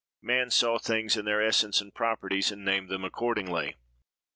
Man saw things in their essence and properties, and named them accordingly."